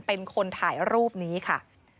เป็นคนถ่ายรูปนี้ค่ะ